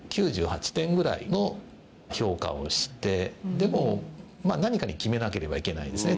でも、何かに決めなければいけないんですね